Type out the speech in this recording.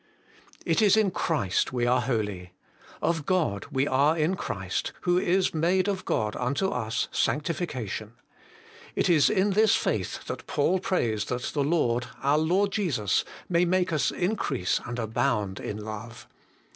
It is in Christ we are holy ; of God we are in HOLT AND BLAMELESS. 225 Christ, who is made of God unto us sanctification : it is in this faith that Paul prays that the Lord, our Lord Jesus, may make us increase and abound in love.